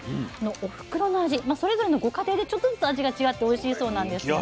それぞれのご家庭でちょっとずつ味が違っておいしいそうなんですよ。